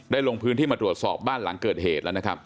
ได้ลงพื้นที่มาตรวจสอบบ้านหลังเกิดเหตุ